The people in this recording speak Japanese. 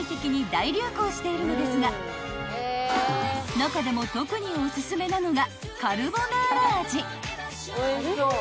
［中でも特におすすめなのがカルボナーラ味］